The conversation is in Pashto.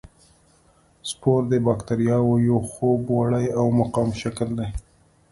سپور د باکتریاوو یو خوب وړی او مقاوم شکل دی.